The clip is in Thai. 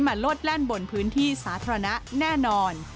โลดแล่นบนพื้นที่สาธารณะแน่นอน